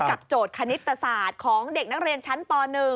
โจทย์คณิตศาสตร์ของเด็กนักเรียนชั้นป๑